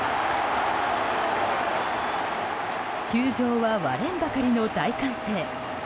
球場は割れんばかりの大歓声。